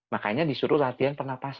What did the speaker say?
makanya disuruh latihan pernapasan